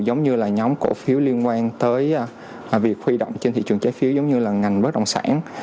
giống như là nhóm cổ phiếu liên quan tới việc huy động trên thị trường trái phiếu giống như là ngành bất đồng sản